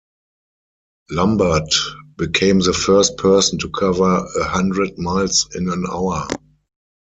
Lambert became the first person to cover a hundred miles in an hour.